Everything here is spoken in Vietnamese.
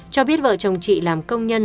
cho biết vợ chồng chị làm công nhân